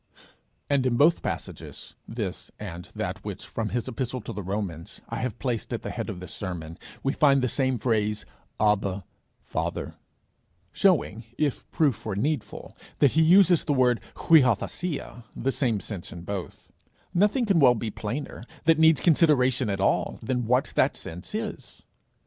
And in both passages this, and that which, from his epistle to the Romans, I have placed at the head of this sermon we find the same phrase, Abba, Father, showing, if proof were needful, that he uses the word [Greek: uiothesia] the same sense in both: nothing can well be plainer, that needs consideration at all, than what that sense is.